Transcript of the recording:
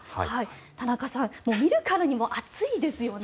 田中さん見るからに暑いですよね。